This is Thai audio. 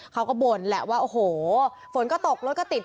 เขาก็บ่นแหละว่าโอ้โหฝนก็ตกรถก็ติด